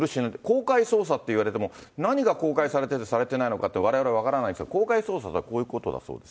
公開捜査っていわれても、何が公開されてて、されてないのかって、われわれ分からないですが、公開捜査ってこういうことだそうです。